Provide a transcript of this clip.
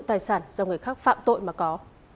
tài sản do người khác phạm tội mà có